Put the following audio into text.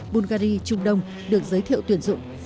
bulgari trung đông được giới thiệu tuyển dụng